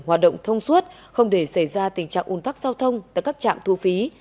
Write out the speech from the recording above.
hoạt động thông suốt không để xảy ra tình trạng ủn tắc giao thông tại các trạm thu phí